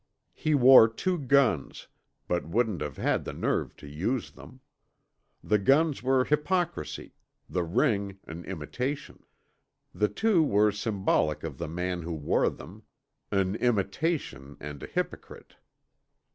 He wore two guns, but wouldn't have had the nerve to use them. The guns were hypocrisy, the ring an imitation. The two were symbolic of the man who wore them an "imitation," and a hypocrite.